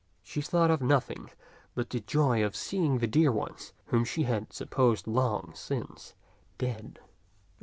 She thought of no thing but the joy of seeing the dear ones whom she had supposed long since dead.